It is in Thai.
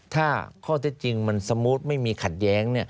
ถ้าข้อเท็จจริงมันสมูทไม่มีขัดแย้ง